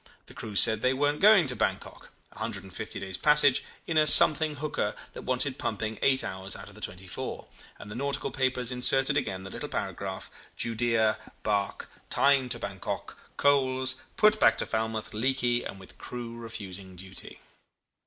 The crew said they weren't going to Bankok a hundred and fifty days' passage in a something hooker that wanted pumping eight hours out of the twenty four; and the nautical papers inserted again the little paragraph: 'Judea. Barque. Tyne to Bankok; coals; put back to Falmouth leaky and with crew refusing duty.